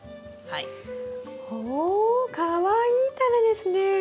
はい。おかわいいタネですね！